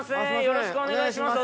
よろしくお願いします